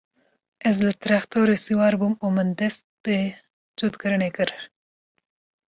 Ez li trextorê siwar bûm û min dest bi cotkirinê kir.